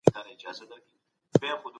ایا کورني سوداګر بادام ساتي؟